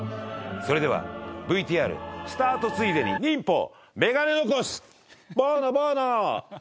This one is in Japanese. それではＶＴＲスタートついでに忍法メガネ残し！